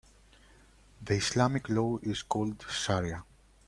The Islamic law is called shariah.